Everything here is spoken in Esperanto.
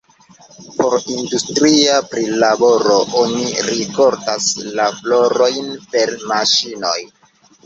Por industria prilaboro, oni rikoltas la florojn per maŝinoj.